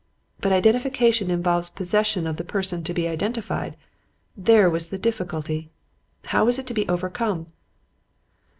But identification involves possession of the person to be identified. There was the difficulty. How was it to be overcome?